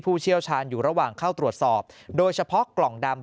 เชี่ยวชาญอยู่ระหว่างเข้าตรวจสอบโดยเฉพาะกล่องดำ